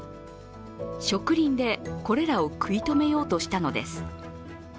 植林でこれらを食い止めようとしたのです。